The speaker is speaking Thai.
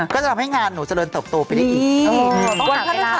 ก็จะทำให้งานหนูเจริญเติบโตไปได้อีก